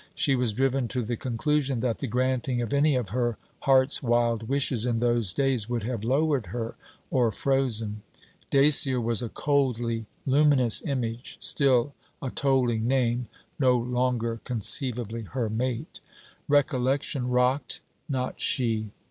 She was driven to the conclusion that the granting of any of her heart's wild wishes in those days would have lowered her or frozen. Dacier was a coldly luminous image; still a tolling name; no longer conceivably her mate. Recollection rocked, not she.